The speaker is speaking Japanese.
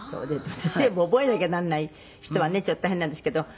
「全部覚えなきゃならない人はねちょっと大変なんですけど」